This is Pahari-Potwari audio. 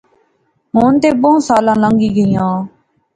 ہن تہ بہوں سالاں لنگی گئیاں